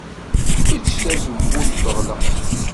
Ejj tazewwut teɣleq.